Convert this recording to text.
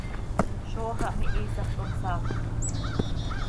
¡Zóo xah mihiisax com saafzx!